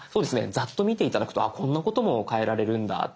ざっと見て頂くとこんなことも変えられるんだって。